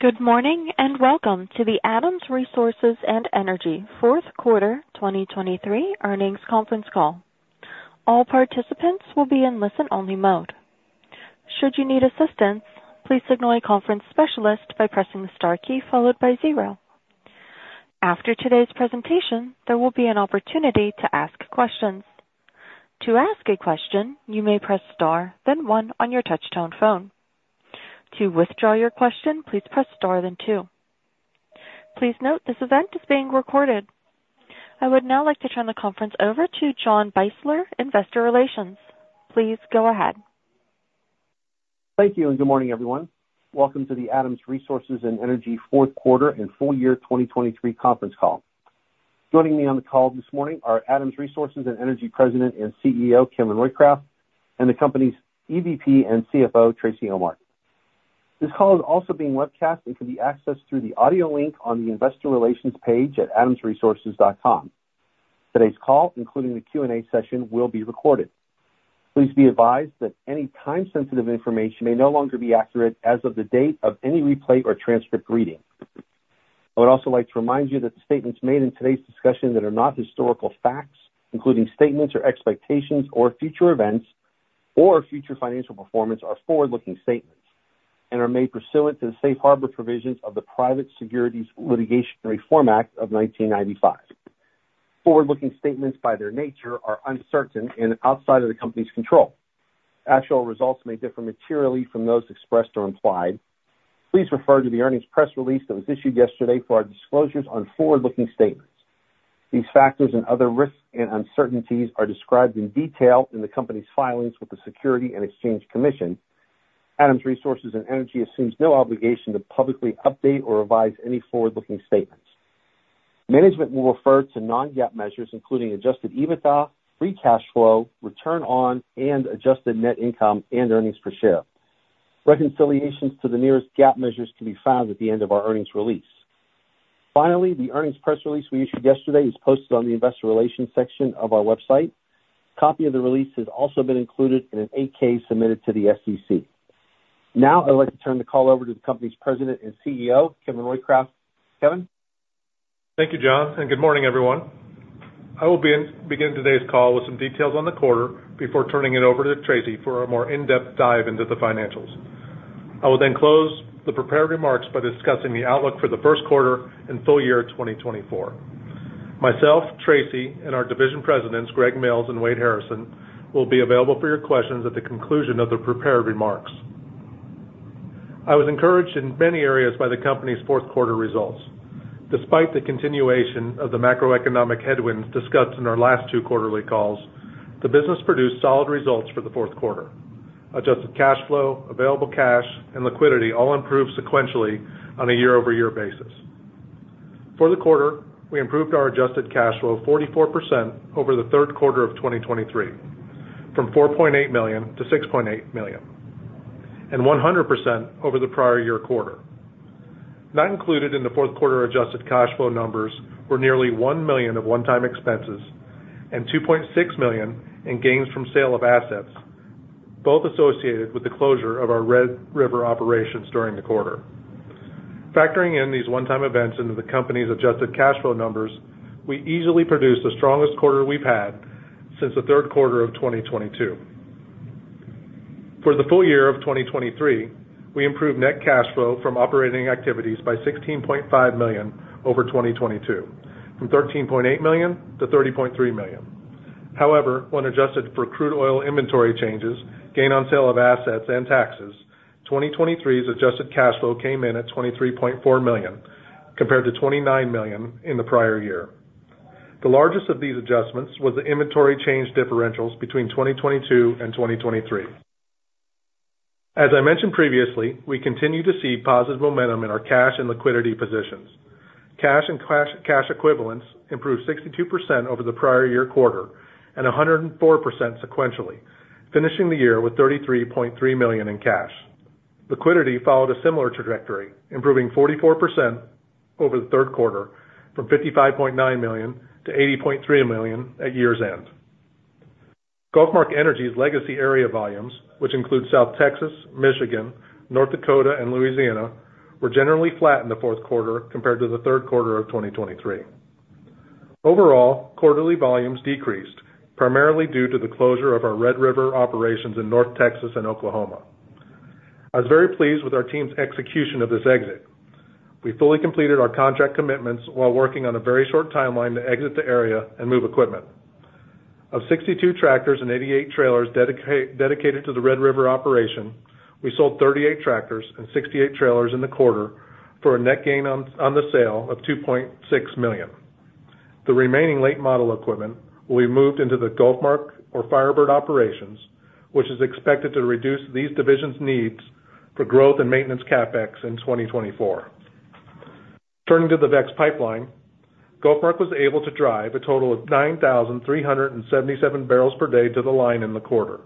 Good morning and welcome to the Adams Resources & Energy fourth quarter 2023 earnings conference call. All participants will be in listen-only mode. Should you need assistance, please contact conference specialists by pressing the star key followed by zero. After today's presentation, there will be an opportunity to ask questions. To ask a question, you may press star then one on your touch-tone phone. To withdraw your question, please press star then two. Please note this event is being recorded. I would now like to turn the conference over to John Beisler, Investor Relations. Please go ahead. Thank you and good morning, everyone. Welcome to the Adams Resources & Energy fourth quarter and full year 2023 conference call. Joining me on the call this morning are Adams Resources & Energy President and CEO Kevin Roycraft and the company's EVP and CFO, Tracy Ohmart. This call is also being webcast and can be accessed through the audio link on the Investor Relations page at adamsresources.com. Today's call, including the Q&A session, will be recorded. Please be advised that any time-sensitive information may no longer be accurate as of the date of any replay or transcript reading. I would also like to remind you that statements made in today's discussion that are not historical facts, including statements or expectations or future events or future financial performance, are forward-looking statements and are made pursuant to the Safe Harbor provisions of the Private Securities Litigation Reform Act of 1995. Forward-looking statements, by their nature, are uncertain and outside of the company's control. Actual results may differ materially from those expressed or implied. Please refer to the earnings press release that was issued yesterday for our disclosures on forward-looking statements. These factors and other risks and uncertainties are described in detail in the company's filings with the Securities and Exchange Commission. Adams Resources & Energy assumes no obligation to publicly update or revise any forward-looking statements. Management will refer to non-GAAP measures, including Adjusted EBITDA, free cash flow, return on, and adjusted net income and earnings per share. Reconciliations to the nearest GAAP measures can be found at the end of our earnings release. Finally, the earnings press release we issued yesterday is posted on the Investor Relations section of our website. Copy of the release has also been included in an 8-K submitted to the SEC. Now I'd like to turn the call over to the company's President and CEO, Kevin Roycraft. Kevin? Thank you, John, and good morning, everyone. I will begin today's call with some details on the quarter before turning it over to Tracy for a more in-depth dive into the financials. I will then close the prepared remarks by discussing the outlook for the first quarter and full year 2024. Myself, Tracy, and our division presidents, Greg Mills and Wade Harrison, will be available for your questions at the conclusion of the prepared remarks. I was encouraged in many areas by the company's fourth quarter results. Despite the continuation of the macroeconomic headwinds discussed in our last two quarterly calls, the business produced solid results for the fourth quarter. Adjusted cash flow, available cash, and liquidity all improved sequentially on a year-over-year basis. For the quarter, we improved our adjusted cash flow 44% over the third quarter of 2023, from $4.8 million to $6.8 million, and 100% over the prior year quarter. Not included in the fourth quarter adjusted cash flow numbers were nearly $1 million of one-time expenses and $2.6 million in gains from sale of assets, both associated with the closure of our Red River operations during the quarter. Factoring in these one-time events into the company's adjusted cash flow numbers, we easily produced the strongest quarter we've had since the third quarter of 2022. For the full year of 2023, we improved net cash flow from operating activities by $16.5 million over 2022, from $13.8 million to $30.3 million. However, when adjusted for crude oil inventory changes, gain on sale of assets, and taxes, 2023's adjusted cash flow came in at $23.4 million compared to $29 million in the prior year. The largest of these adjustments was the inventory change differentials between 2022 and 2023. As I mentioned previously, we continue to see positive momentum in our cash and liquidity positions. Cash and cash equivalents improved 62% over the prior year quarter and 104% sequentially, finishing the year with $33.3 million in cash. Liquidity followed a similar trajectory, improving 44% over the third quarter from $55.9 million to $80.3 million at year's end. GulfMark Energy's legacy area volumes, which include South Texas, Michigan, North Dakota, and Louisiana, were generally flat in the fourth quarter compared to the third quarter of 2023. Overall, quarterly volumes decreased, primarily due to the closure of our Red River operations in North Texas and Oklahoma. I was very pleased with our team's execution of this exit. We fully completed our contract commitments while working on a very short timeline to exit the area and move equipment. Of 62 tractors and 88 trailers dedicated to the Red River operation, we sold 38 tractors and 68 trailers in the quarter for a net gain on the sale of $2.6 million. The remaining late model equipment will be moved into the GulfMark or Firebird operations, which is expected to reduce these divisions' needs for growth and maintenance CapEx in 2024. Turning to the VEX Pipeline, GulfMark was able to drive a total of 9,377 barrels per day to the line in the quarter,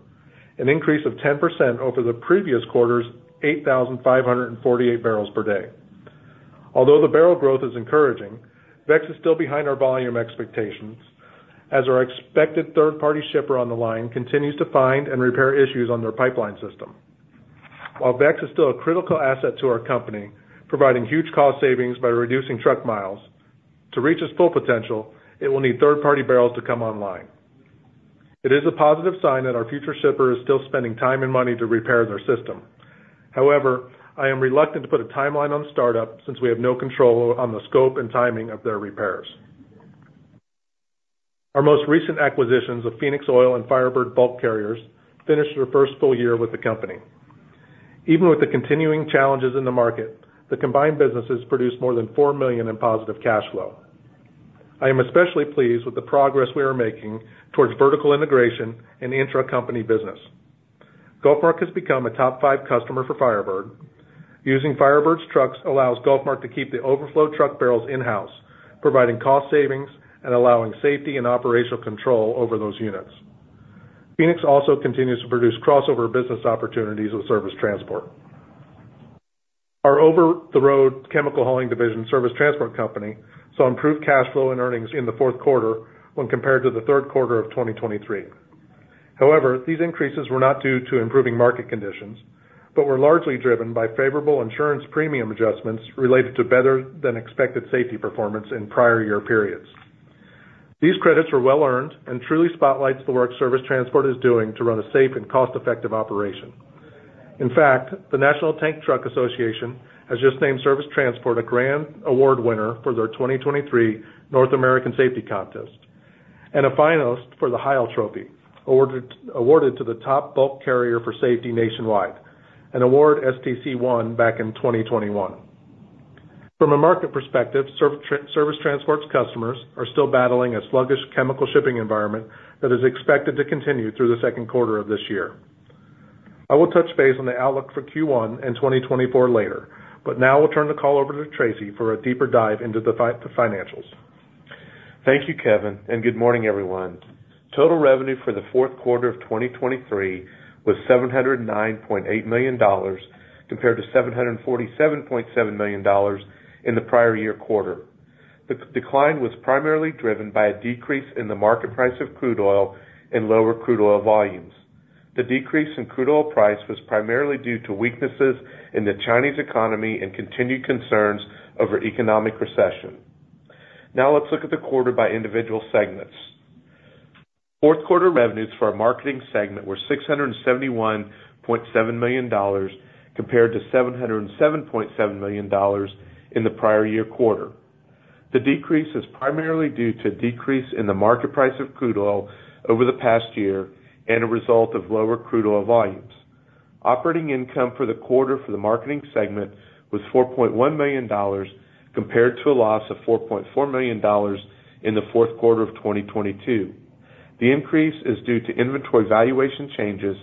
an increase of 10% over the previous quarter's 8,548 barrels per day. Although the barrel growth is encouraging, VEX is still behind our volume expectations as our expected third-party shipper on the line continues to find and repair issues on their pipeline system. While VEX is still a critical asset to our company, providing huge cost savings by reducing truck miles, to reach its full potential, it will need third-party barrels to come online. It is a positive sign that our future shipper is still spending time and money to repair their system. However, I am reluctant to put a timeline on startup since we have no control on the scope and timing of their repairs. Our most recent acquisitions of Phoenix Oil and Firebird Bulk Carriers finished their first full year with the company. Even with the continuing challenges in the market, the combined businesses produced more than $4 million in positive cash flow. I am especially pleased with the progress we are making towards vertical integration and intra-company business. GulfMark has become a top five customer for Firebird. Using Firebird's trucks allows GulfMark to keep the overflow truck barrels in-house, providing cost savings and allowing safety and operational control over those units. Phoenix also continues to produce crossover business opportunities with Service Transport. Our over-the-road chemical hauling division, Service Transport Company, saw improved cash flow and earnings in the fourth quarter when compared to the third quarter of 2023. However, these increases were not due to improving market conditions but were largely driven by favorable insurance premium adjustments related to better-than-expected safety performance in prior year periods. These credits were well-earned and truly spotlight the work Service Transport is doing to run a safe and cost-effective operation. In fact, the National Tank Truck Carriers has just named Service Transport a Grand Award winner for their 2023 North American Safety Contest and a finalist for the Heil Trophy, awarded to the top bulk carrier for safety nationwide, an award STC won back in 2021. From a market perspective, Service Transport's customers are still battling a sluggish chemical shipping environment that is expected to continue through the second quarter of this year. I will touch base on the outlook for Q1 and 2024 later, but now we'll turn the call over to Tracy for a deeper dive into the financials. Thank you, Kevin, and good morning, everyone. Total revenue for the fourth quarter of 2023 was $709.8 million compared to $747.7 million in the prior year quarter. The decline was primarily driven by a decrease in the market price of crude oil and lower crude oil volumes. The decrease in crude oil price was primarily due to weaknesses in the Chinese economy and continued concerns over economic recession. Now let's look at the quarter by individual segments. Fourth quarter revenues for our marketing segment were $671.7 million compared to $707.7 million in the prior year quarter. The decrease is primarily due to a decrease in the market price of crude oil over the past year and a result of lower crude oil volumes. Operating income for the quarter for the marketing segment was $4.1 million compared to a loss of $4.4 million in the fourth quarter of 2022. The increase is due to inventory valuation changes,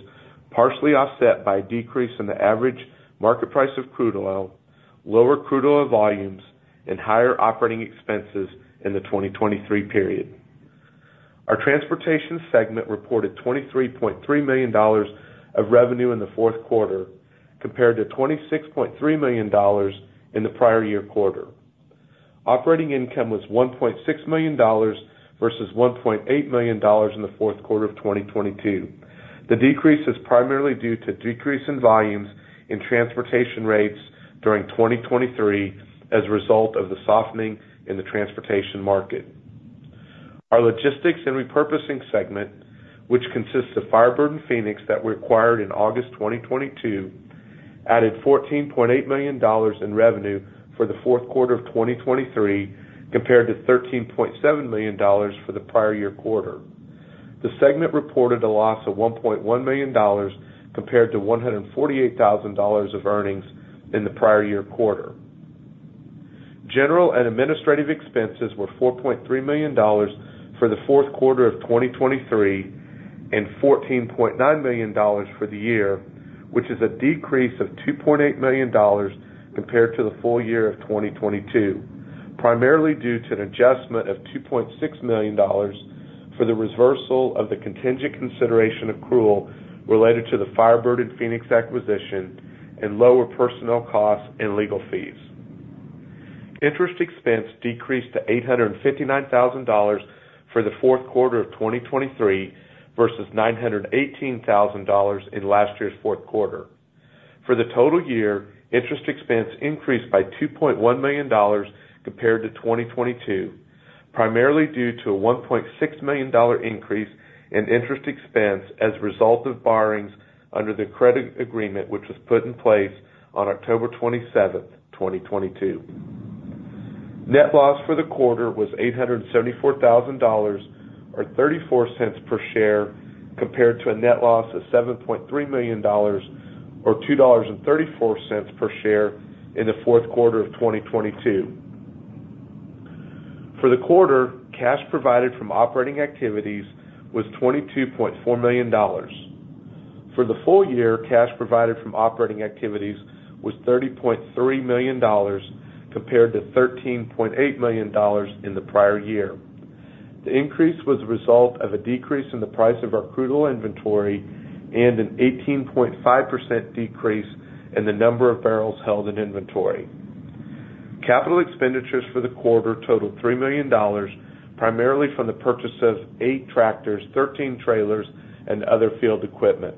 partially offset by a decrease in the average market price of crude oil, lower crude oil volumes, and higher operating expenses in the 2023 period. Our transportation segment reported $23.3 million of revenue in the fourth quarter compared to $26.3 million in the prior year quarter. Operating income was $1.6 million versus $1.8 million in the fourth quarter of 2022. The decrease is primarily due to a decrease in volumes and transportation rates during 2023 as a result of the softening in the transportation market. Our logistics and repurposing segment, which consists of Firebird and Phoenix that were acquired in August 2022, added $14.8 million in revenue for the fourth quarter of 2023 compared to $13.7 million for the prior year quarter. The segment reported a loss of $1.1 million compared to $148,000 of earnings in the prior year quarter. General and administrative expenses were $4.3 million for the fourth quarter of 2023 and $14.9 million for the year, which is a decrease of $2.8 million compared to the full year of 2022, primarily due to an adjustment of $2.6 million for the reversal of the contingent consideration accrual related to the Firebird and Phoenix acquisition and lower personnel costs and legal fees. Interest expense decreased to $859,000 for the fourth quarter of 2023 versus $918,000 in last year's fourth quarter. For the total year, interest expense increased by $2.1 million compared to 2022, primarily due to a $1.6 million increase in interest expense as a result of borrowings under the credit agreement which was put in place on October 27, 2022. Net loss for the quarter was $874,000 or $0.34 per share compared to a net loss of $7.3 million or $2.34 per share in the fourth quarter of 2022. For the quarter, cash provided from operating activities was $22.4 million. For the full year, cash provided from operating activities was $30.3 million compared to $13.8 million in the prior year. The increase was a result of a decrease in the price of our crude oil inventory and an 18.5% decrease in the number of barrels held in inventory. Capital expenditures for the quarter totaled $3 million, primarily from the purchase of 8 tractors, 13 trailers, and other field equipment.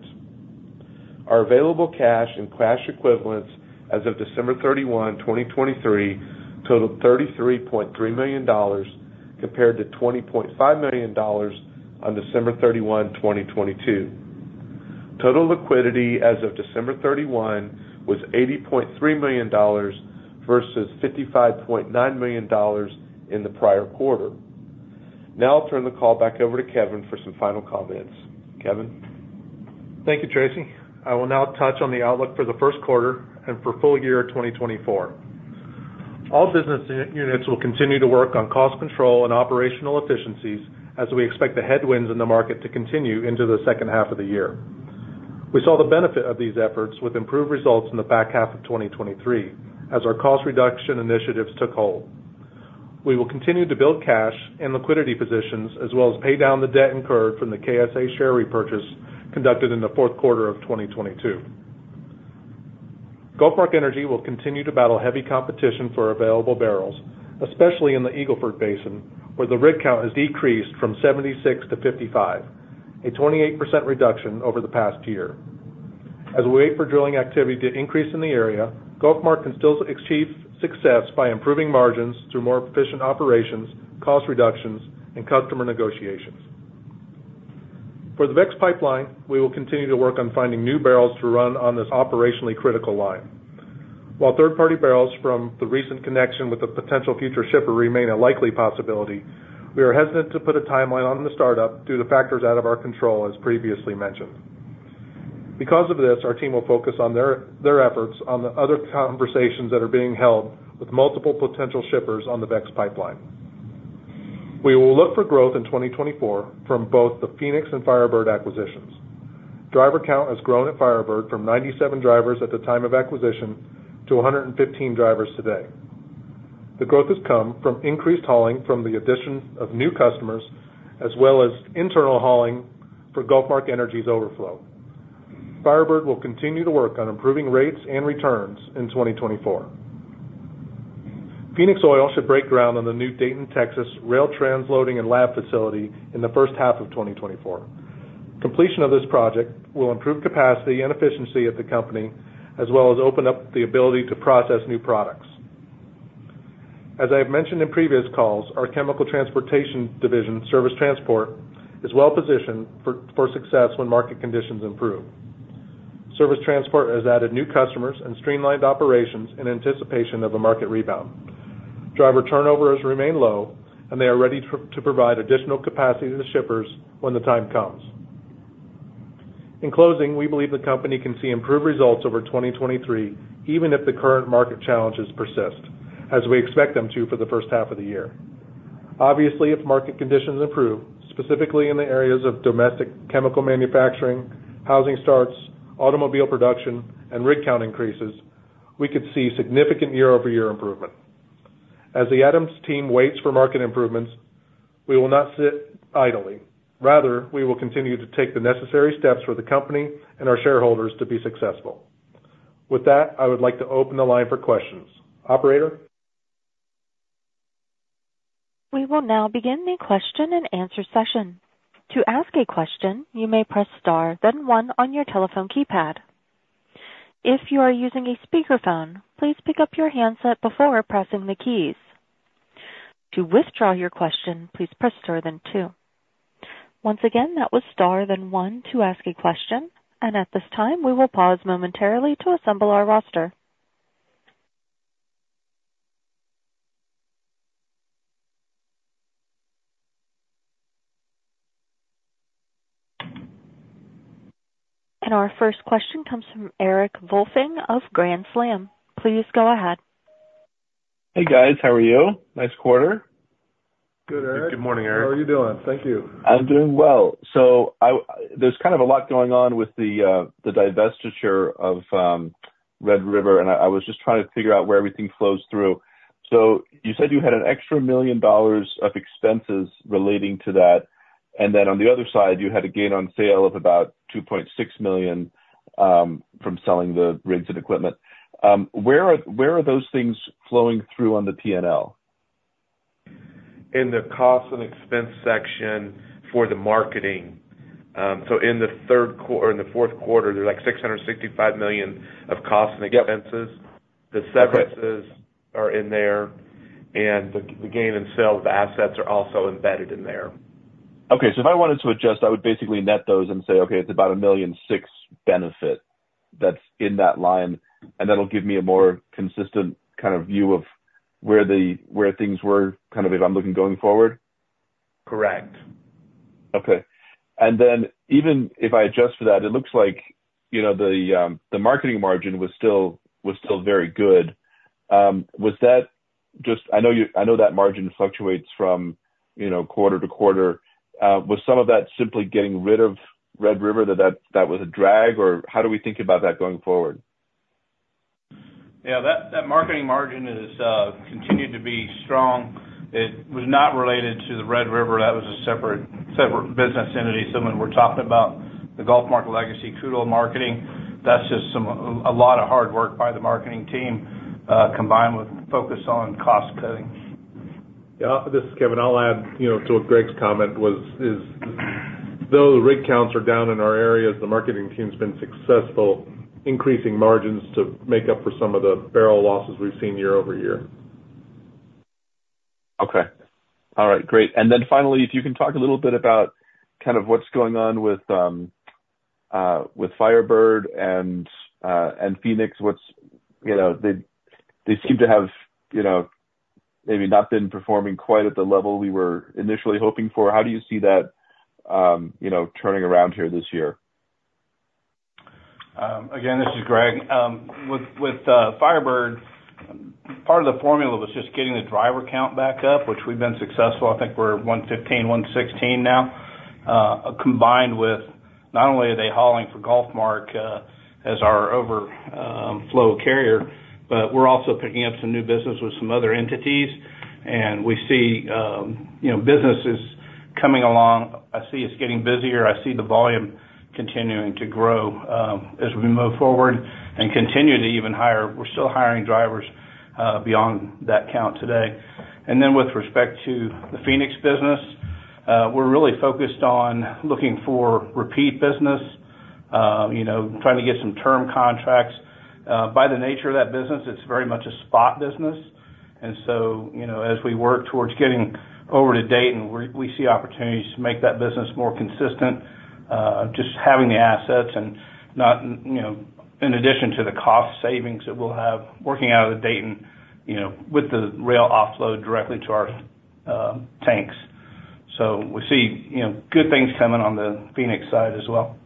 Our available cash and cash equivalents as of December 31, 2023, totaled $33.3 million compared to $20.5 million on December 31, 2022. Total liquidity as of December 31 was $80.3 million versus $55.9 million in the prior quarter. Now I'll turn the call back over to Kevin for some final comments. Kevin? Thank you, Tracy. I will now touch on the outlook for the first quarter and for full year 2024. All business units will continue to work on cost control and operational efficiencies as we expect the headwinds in the market to continue into the second half of the year. We saw the benefit of these efforts with improved results in the back half of 2023 as our cost reduction initiatives took hold. We will continue to build cash and liquidity positions as well as pay down the debt incurred from the KSA share repurchase conducted in the fourth quarter of 2022. GulfMark Energy will continue to battle heavy competition for available barrels, especially in the Eagle Ford Basin, where the rig count has decreased from 76 to 55, a 28% reduction over the past year. As we wait for drilling activity to increase in the area, GulfMark can still achieve success by improving margins through more efficient operations, cost reductions, and customer negotiations. For the VEX Pipeline, we will continue to work on finding new barrels to run on this operationally critical line. While third-party barrels from the recent connection with a potential future shipper remain a likely possibility, we are hesitant to put a timeline on the startup due to factors out of our control, as previously mentioned. Because of this, our team will focus on their efforts on the other conversations that are being held with multiple potential shippers on the VEX Pipeline. We will look for growth in 2024 from both the Phoenix and Firebird acquisitions. Driver count has grown at Firebird from 97 drivers at the time of acquisition to 115 drivers today. The growth has come from increased hauling from the addition of new customers as well as internal hauling for GulfMark Energy's overflow. Firebird will continue to work on improving rates and returns in 2024. Phoenix Oil should break ground on the new Dayton, Texas, rail transloading and lab facility in the first half of 2024. Completion of this project will improve capacity and efficiency at the company as well as open up the ability to process new products. As I have mentioned in previous calls, our chemical transportation division, Service Transport, is well-positioned for success when market conditions improve. Service Transport has added new customers and streamlined operations in anticipation of a market rebound. Driver turnovers remain low, and they are ready to provide additional capacity to shippers when the time comes. In closing, we believe the company can see improved results over 2023 even if the current market challenges persist, as we expect them to for the first half of the year. Obviously, if market conditions improve, specifically in the areas of domestic chemical manufacturing, housing starts, automobile production, and rig count increases, we could see significant year-over-year improvement. As the Adams team waits for market improvements, we will not sit idly. Rather, we will continue to take the necessary steps for the company and our shareholders to be successful. With that, I would like to open the line for questions. Operator? We will now begin the question and answer session. To ask a question, you may press star, then 1 on your telephone keypad. If you are using a speakerphone, please pick up your handset before pressing the keys. To withdraw your question, please press star then 2. Once again, that was star then 1 to ask a question, and at this time, we will pause momentarily to assemble our roster. Our first question comes from Erik Volfing of Grand Slam. Please go ahead. Hey, guys. How are you? Nice quarter. Good, Erik. Good morning, Erik. How are you doing? Thank you. I'm doing well. So there's kind of a lot going on with the divestiture of Red River, and I was just trying to figure out where everything flows through. So you said you had an extra $1 million of expenses relating to that, and then on the other side, you had a gain on sale of about $2.6 million from selling the rigs and equipment. Where are those things flowing through on the P&L? In the cost and expense section for the marketing. So in the fourth quarter, there's like $665 million of costs and expenses. The services are in there, and the gain in sale of the assets are also embedded in there. Okay. So if I wanted to adjust, I would basically net those and say, "Okay, it's about $1.6 million benefit that's in that line," and that'll give me a more consistent kind of view of where things were kind of if I'm looking going forward? Correct. Okay. And then even if I adjust for that, it looks like the marketing margin was still very good. I know that margin fluctuates from quarter to quarter. Was some of that simply getting rid of Red River? That was a drag, or how do we think about that going forward? Yeah. That marketing margin has continued to be strong. It was not related to the Red River. That was a separate business entity. So when we're talking about the GulfMark legacy crude oil marketing, that's just a lot of hard work by the marketing team combined with focus on cost cutting. Yeah. This is Kevin. I'll add to what Greg's comment was, though the rig counts are down in our areas, the marketing team's been successful increasing margins to make up for some of the barrel losses we've seen year-over-year. Okay. All right. Great. And then finally, if you can talk a little bit about kind of what's going on with Firebird and Phoenix, they seem to have maybe not been performing quite at the level we were initially hoping for. How do you see that turning around here this year? Again, this is Greg. With Firebird, part of the formula was just getting the driver count back up, which we've been successful. I think we're 115, 116 now, combined with not only are they hauling for GulfMark as our overflow carrier, but we're also picking up some new business with some other entities. And we see businesses coming along. I see it's getting busier. I see the volume continuing to grow as we move forward and continue to even hire. We're still hiring drivers beyond that count today. And then with respect to the Phoenix business, we're really focused on looking for repeat business, trying to get some term contracts. By the nature of that business, it's very much a spot business. As we work towards getting over to Dayton, we see opportunities to make that business more consistent, just having the assets and not in addition to the cost savings that we'll have working out of Dayton with the rail offload directly to our tanks. We see good things coming on the Phoenix side as well.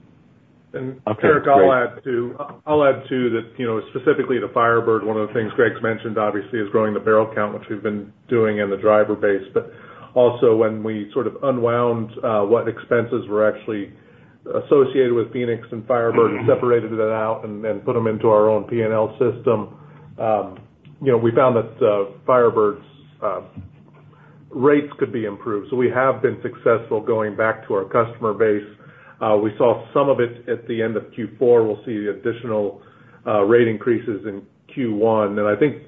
And Eric, I'll add too that specifically to Firebird, one of the things Greg's mentioned, obviously, is growing the barrel count, which we've been doing in the driver base. But also when we sort of unwound what expenses were actually associated with Phoenix and Firebird and separated it out and put them into our own P&L system, we found that Firebird's rates could be improved. So we have been successful going back to our customer base. We saw some of it at the end of Q4. We'll see additional rate increases in Q1. And I think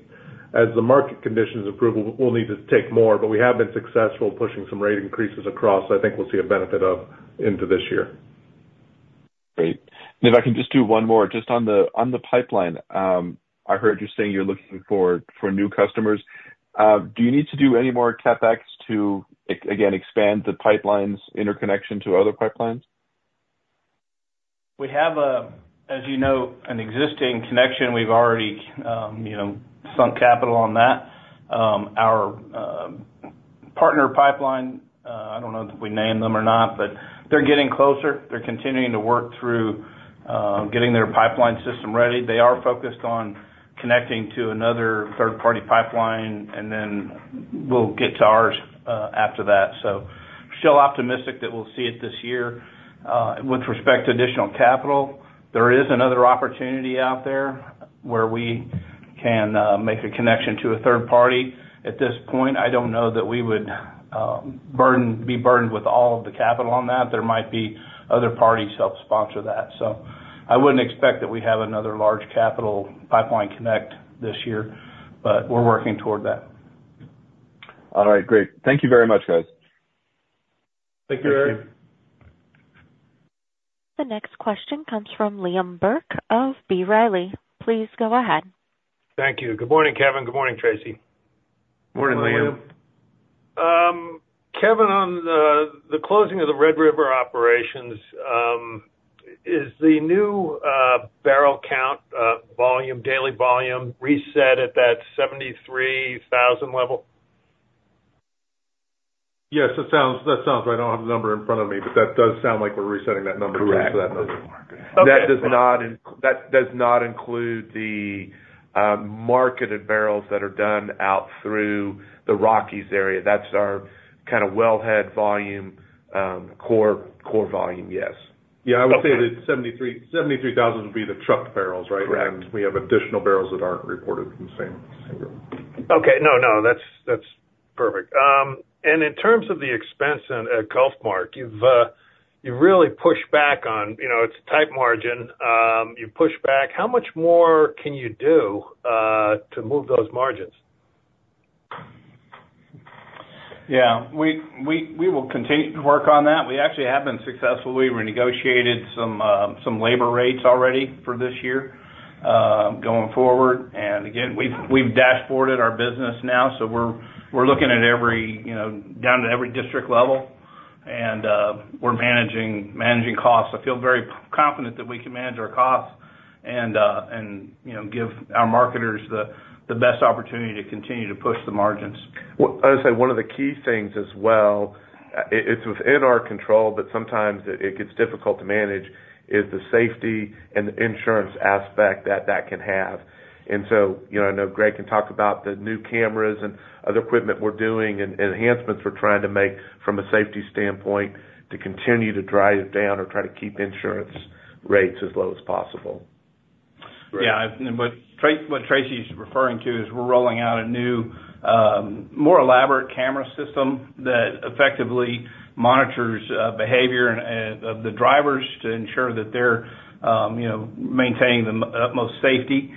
as the market conditions improve, we'll need to take more. But we have been successful pushing some rate increases across. I think we'll see a benefit of into this year. Great. And if I can just do one more, just on the pipeline, I heard you saying you're looking for new customers. Do you need to do any more CapEx to, again, expand the pipeline's interconnection to other pipelines? We have, as you know, an existing connection. We've already sunk capital on that. Our partner pipeline, I don't know if we named them or not, but they're getting closer. They're continuing to work through getting their pipeline system ready. They are focused on connecting to another third-party pipeline, and then we'll get to ours after that. So still optimistic that we'll see it this year. With respect to additional capital, there is another opportunity out there where we can make a connection to a third party. At this point, I don't know that we would be burdened with all of the capital on that. There might be other parties help sponsor that. So I wouldn't expect that we have another large capital pipeline connect this year, but we're working toward that. All right. Great. Thank you very much, guys. Thank you, Eric. Thank you. The next question comes from Liam Burke of B. Riley. Please go ahead. Thank you. Good morning, Kevin. Good morning, Tracy. Morning, Liam. Kevin, on the closing of the Red River operations, is the new barrel count volume, daily volume, reset at that 73,000 level? Yes. That sounds right. I don't have the number in front of me, but that does sound like we're resetting that number back to that number. Correct. That does not include the marketed barrels that are done out through the Rockies area. That's our kind of wellhead volume, core volume, yes. Yeah. I would say that 73,000 would be the trucked barrels, right? And we have additional barrels that aren't reported from the same group. Okay. No, no. That's perfect. And in terms of the expense at GulfMark, you've really pushed back on it's a tight margin. You've pushed back. How much more can you do to move those margins? Yeah. We will continue to work on that. We actually have been successful. We renegotiated some labor rates already for this year going forward. And again, we've dashboarded our business now, so we're looking at every down to every district level, and we're managing costs. I feel very confident that we can manage our costs and give our marketers the best opportunity to continue to push the margins. I would say one of the key things as well, it's within our control, but sometimes it gets difficult to manage, is the safety and the insurance aspect that that can have. And so I know Greg can talk about the new cameras and other equipment we're doing and enhancements we're trying to make from a safety standpoint to continue to drive down or try to keep insurance rates as low as possible. Yeah. What Tracy's referring to is we're rolling out a new, more elaborate camera system that effectively monitors behavior of the drivers to ensure that they're maintaining the utmost safety.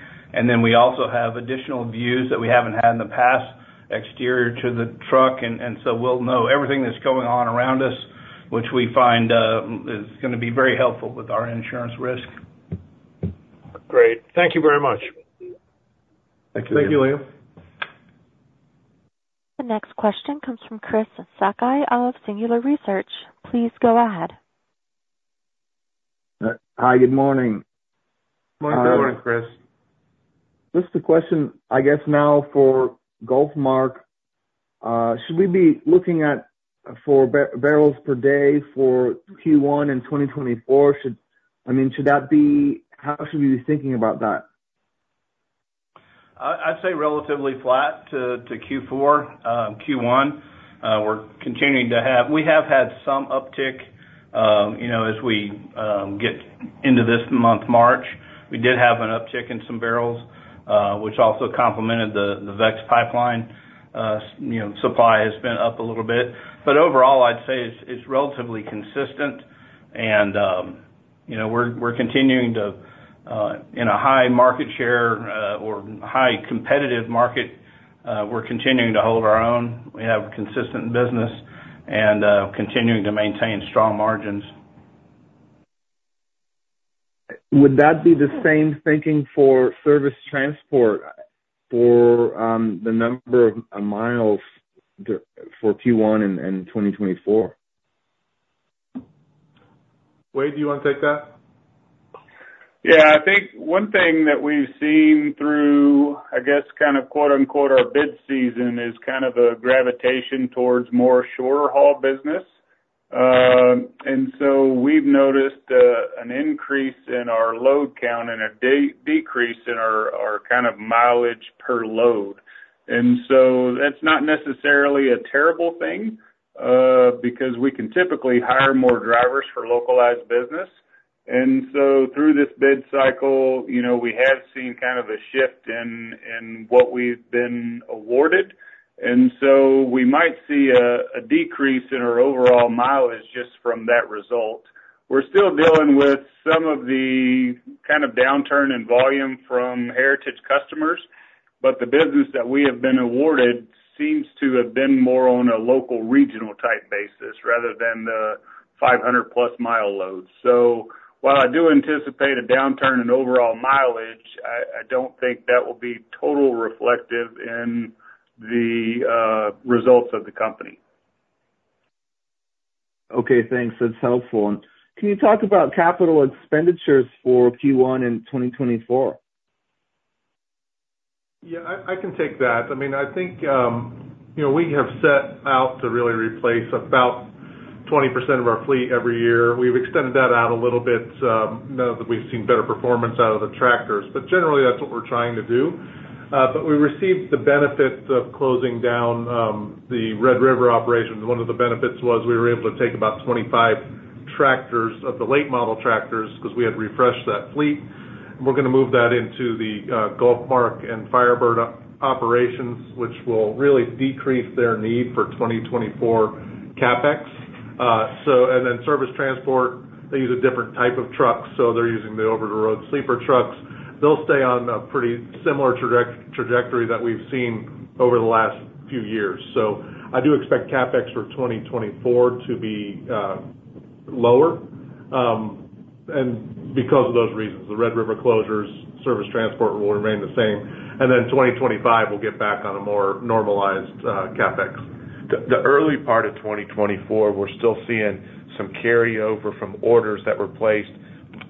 We also have additional views that we haven't had in the past exterior to the truck, and so we'll know everything that's going on around us, which we find is going to be very helpful with our insurance risk. Great. Thank you very much. Thank you, Liam. Thank you, Liam. The next question comes from Chris Sakai of Singular Research. Please go ahead. Hi. Good morning. Morning, everyone, Chris. Just a question, I guess, now for GulfMark. Should we be looking at barrels per day for Q1 in 2024? I mean, should that be how should we be thinking about that? I'd say relatively flat to Q4, Q1. We have had some uptick as we get into this month, March. We did have an uptick in some barrels, which also complemented the VEX Pipeline. Supply has been up a little bit. But overall, I'd say it's relatively consistent, and we're continuing to, in a high market share or high competitive market, hold our own. We have consistent business and continuing to maintain strong margins. Would that be the same thinking for service transport for the number of miles for Q1 and 2024? Wade, do you want to take that? Yeah. I think one thing that we've seen through, I guess, kind of "our bid season" is kind of a gravitation towards more shorter haul business. So we've noticed an increase in our load count and a decrease in our kind of mileage per load. So that's not necessarily a terrible thing because we can typically hire more drivers for localized business. So through this bid cycle, we have seen kind of a shift in what we've been awarded. So we might see a decrease in our overall mileage just from that result. We're still dealing with some of the kind of downturn in volume from heritage customers, but the business that we have been awarded seems to have been more on a local regional type basis rather than the 500+- mile load. While I do anticipate a downturn in overall mileage, I don't think that will be totally reflective in the results of the company. Okay. Thanks. That's helpful. And can you talk about capital expenditures for Q1 and 2024? Yeah. I can take that. I mean, I think we have set out to really replace about 20% of our fleet every year. We've extended that out a little bit. Now that we've seen better performance out of the tractors, but generally, that's what we're trying to do. We received the benefit of closing down the Red River operation. One of the benefits was we were able to take about 25 tractors of the late model tractors because we had refreshed that fleet. We're going to move that into the GulfMark and Firebird operations, which will really decrease their need for 2024 CapEx. Then Service Transport, they use a different type of truck, so they're using the over-the-road sleeper trucks. They'll stay on a pretty similar trajectory that we've seen over the last few years. So I do expect CapEx for 2024 to be lower because of those reasons. The Red River closures, Service Transport will remain the same. And then 2025, we'll get back on a more normalized CapEx. The early part of 2024, we're still seeing some carryover from orders that were placed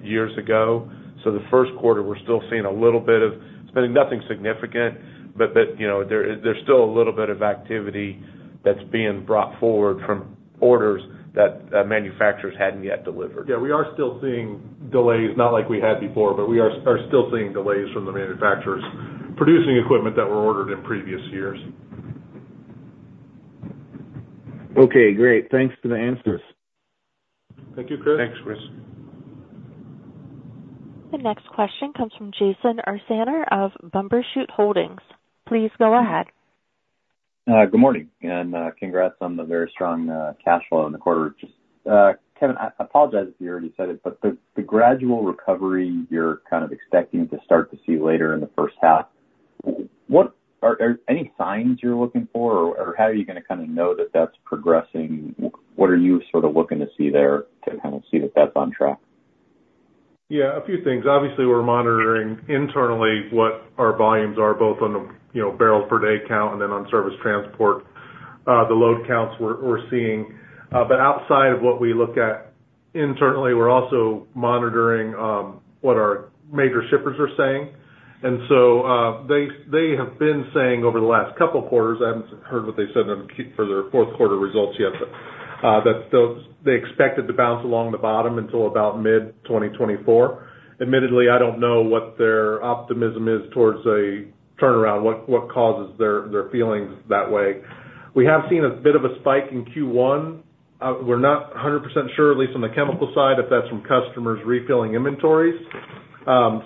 years ago. So the first quarter, we're still seeing a little bit of it. It's been nothing significant, but there's still a little bit of activity that's being brought forward from orders that manufacturers hadn't yet delivered. Yeah. We are still seeing delays. Not like we had before, but we are still seeing delays from the manufacturers producing equipment that were ordered in previous years. Okay. Great. Thanks for the answers. Thank you, Chris. Thanks, Chris. The next question comes from Jason Ursaner of Bumbershoot Holdings. Please go ahead. Good morning. Congrats on the very strong cash flow in the quarter. Kevin, I apologize if you already said it, but the gradual recovery you're kind of expecting to start to see later in the first half, are there any signs you're looking for, or how are you going to kind of know that that's progressing? What are you sort of looking to see there to kind of see that that's on track? Yeah. A few things. Obviously, we're monitoring internally what our volumes are, both on the barrels per day count and then on service transport, the load counts we're seeing. But outside of what we look at internally, we're also monitoring what our major shippers are saying. And so they have been saying over the last couple of quarters I haven't heard what they said for their fourth quarter results yet, but that they expected to bounce along the bottom until about mid-2024. Admittedly, I don't know what their optimism is towards a turnaround, what causes their feelings that way. We have seen a bit of a spike in Q1. We're not 100% sure, at least on the chemical side, if that's from customers refilling inventories.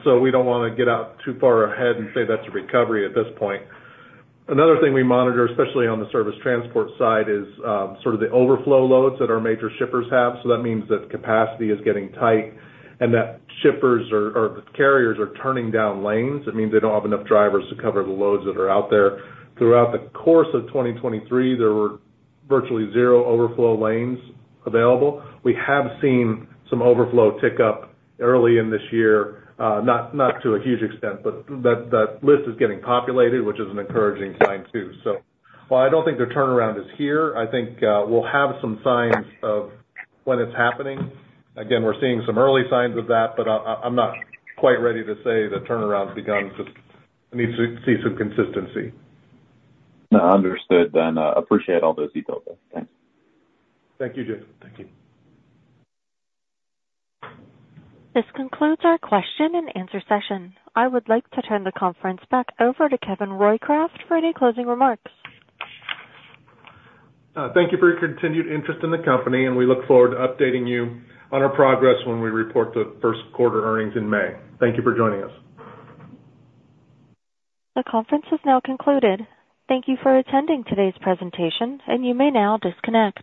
So we don't want to get out too far ahead and say that's a recovery at this point. Another thing we monitor, especially on the service transport side, is sort of the overflow loads that our major shippers have. So that means that capacity is getting tight and that shippers or the carriers are turning down lanes. It means they don't have enough drivers to cover the loads that are out there. Throughout the course of 2023, there were virtually zero overflow lanes available. We have seen some overflow tick up early in this year, not to a huge extent, but that list is getting populated, which is an encouraging sign too. So while I don't think the turnaround is here, I think we'll have some signs of when it's happening. Again, we're seeing some early signs of that, but I'm not quite ready to say the turnaround's begun. I need to see some consistency. Understood then. Appreciate all those details, though. Thanks. Thank you, Jason. This concludes our question and answer session. I would like to turn the conference back over to Kevin Roycraft for any closing remarks. Thank you for your continued interest in the company, and we look forward to updating you on our progress when we report the first quarter earnings in May. Thank you for joining us. The conference is now concluded. Thank you for attending today's presentation, and you may now disconnect.